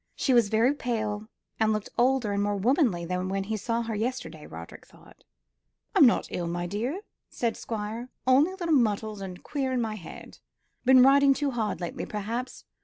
She was very pale, and looked older and more womanly than when he saw her yesterday, Roderick thought. "I'm not ill, my dear," said the Squire, "only a little muddled and queer in my head; been riding too hard lately, perhaps.